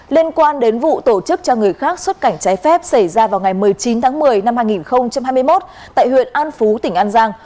liên quan đến vụ tổ chức cho người khác xuất cảnh trái phép xảy ra vào ngày một mươi chín tháng một mươi năm hai nghìn hai mươi một tại huyện an phú tỉnh an giang